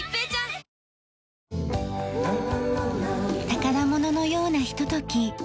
宝物のようなひととき。